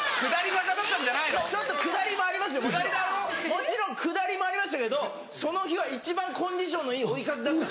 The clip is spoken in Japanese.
もちろん下りもありましたけどその日は一番コンディションのいい追い風だった。